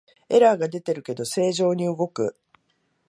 エラーが出てるけど正常に動く